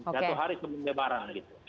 satu hari itu berdebaran